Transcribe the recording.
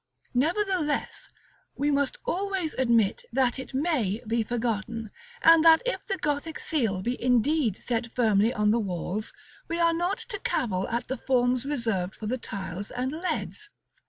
Nevertheless, we must always admit that it may be forgotten, and that if the Gothic seal be indeed set firmly on the walls, we are not to cavil at the forms reserved for the tiles and leads.